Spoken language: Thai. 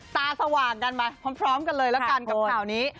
สว่างกันมาพร้อมกันเลยแล้วกันกับข่าวนี้